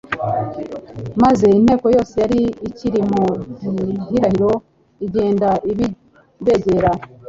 maze inteko yose yari ikiri mu gihirahiro, igenda ibegera.